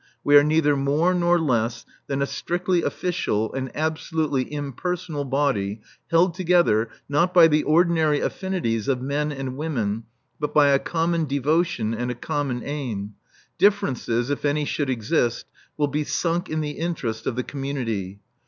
We are neither more nor less than a strictly official and absolutely impersonal body, held together, not by the ordinary affinities of men and women, but by a common devotion and a common aim. Differences, if any should exist, will be sunk in the interest of the community.